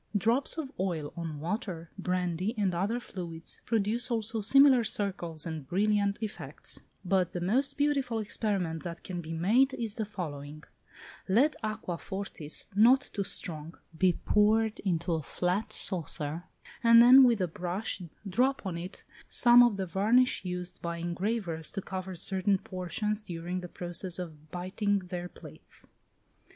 Drops of oil on water, brandy, and other fluids, produce also similar circles and brilliant effects: but the most beautiful experiment that can be made is the following: Let aqua fortis, not too strong, be poured into a flat saucer, and then with a brush drop on it some of the varnish used by engravers to cover certain portions during the process of biting their plates.